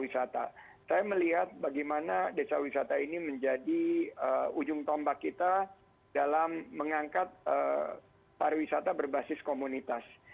saya melihat bagaimana desa wisata ini menjadi ujung tombak kita dalam mengangkat pariwisata berbasis komunitas